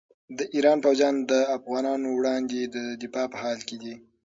د ایران پوځیان د افغانانو وړاندې د دفاع په حال کې دي.